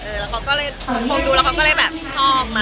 แล้วเขาก็เลยคงดูแล้วเขาก็เลยแบบชอบมา